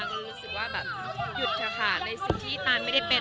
ตันก็รู้สึกว่าแบบหยุดขาดในสิ่งที่ตันไม่ได้เป็น